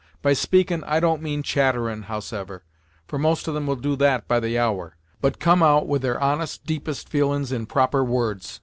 By speakin', I don't mean chatterin', howsever; for most of them will do that by the hour; but comm' out with their honest, deepest feelin's in proper words.